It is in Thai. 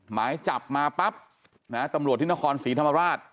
หมายจับมาปั๊บนะฮะตำรวจที่นครศรีธรรมราช